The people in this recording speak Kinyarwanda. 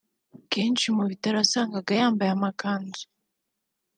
Kenshi mu bitaramo wasangaga yambaye amakanzu